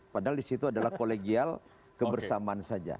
padahal di situ adalah kolegial kebersamaan saja